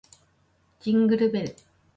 ジングルベル